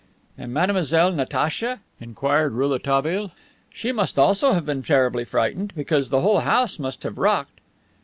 "And Mademoiselle Natacha?" inquired Rouletabille. "She must also have been terribly frightened, because the whole house must have rocked."